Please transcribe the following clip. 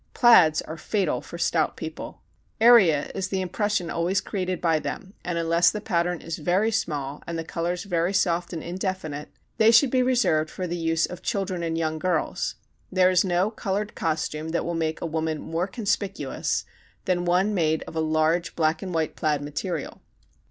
Plaids are fatal for stout people. Area is the impression always created by them and unless the pattern is very small and the colors very soft and indefinite, they should be reserved for the use of children and young girls. There is no colored costume that will make a woman more conspicuous than one made of a large black and white plaid material.